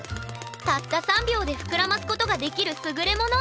たった３秒でふくらますことができるすぐれもの！